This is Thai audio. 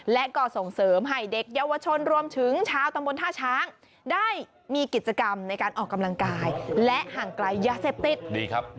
และก็ส่งเสริมให้เด็กเยาวชนรวมถึงชาวตำบลท่าช้างได้มีกิจกรรมในการออกกำลังกายและห่างไกลยาเสพติดดีครับ